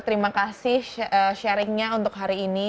terima kasih sharingnya untuk hari ini